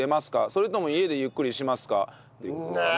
それとも家でゆっくりしますか？という事ですね。